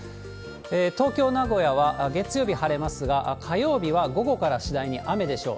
東京、名古屋は月曜日晴れますが、火曜日は午後から次第に雨でしょう。